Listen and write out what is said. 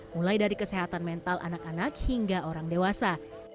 mulai dari kesehatan mental anak anak hingga orang dewasa